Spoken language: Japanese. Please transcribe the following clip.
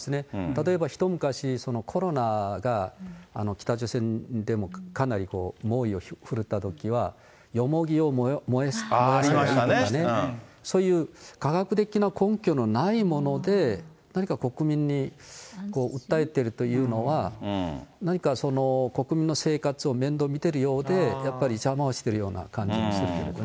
例えばひと昔、コロナが北朝鮮でもかなり猛威を振るったときは、ヨモギを燃やせばいいとか、そういう科学的な根拠のないもので、何か国民に訴えているというのは、何か国民の生活を面倒見てるようで、やっぱり邪魔をしてるような感じがするけどね。